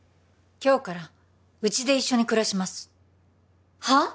今日からうちで一緒に暮らしますはっ！？